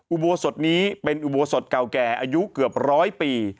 อุโบสถนี้เป็นอุโบสถเก่าแก่อายุเกือบร้อยปี